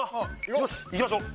よしいきましょう。